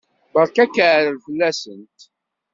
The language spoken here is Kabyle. Berka akaɛrer fell-asent!